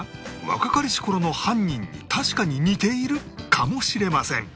若かりし頃の犯人に確かに似ているかもしれません